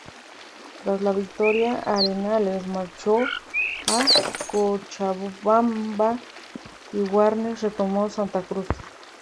Tras la victoria Arenales marchó a Cochabamba y Warnes retomó Santa Cruz.